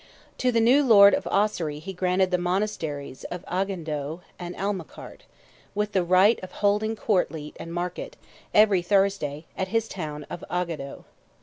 To the new lord of Ossory he granted the monasteries of Aghadoe and Aghmacarte, with the right of holding court lete and market, every Thursday, at his town of Aghadoe.